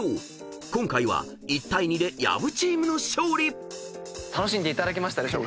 ［今回は１対２で薮チームの勝利］楽しんでいただけました？